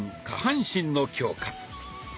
下半身の強化。